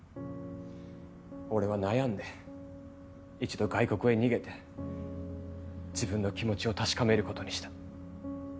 俺は悩んで一度外国へ逃げて自分の気持ちを確かめる事にした。